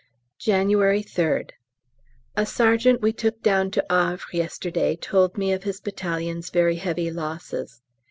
January 3rd. A sergeant we took down to Havre yesterday told me of his battalion's very heavy losses.